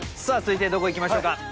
さぁ続いてどこ行きましょうか？